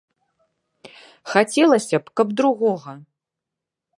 Хацелася б, каб другога.